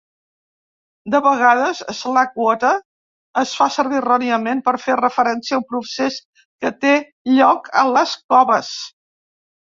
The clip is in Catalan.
De vegades, "slack water" es fa servir erròniament per fer referència a un procés que té lloc a les coves.